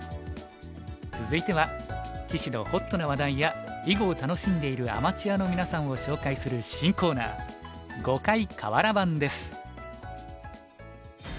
続いては棋士のホットな話題や囲碁を楽しんでいるアマチュアのみなさんを紹介する新コーナー「碁界かわら盤」です。